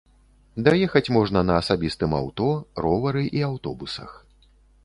Даехаць можна на асабістым аўто, ровары і аўтобусах.